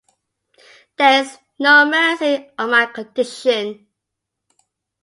ہوتی ہے میرے حال پہ رحمت کبھی کبھی